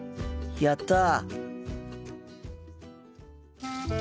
やった！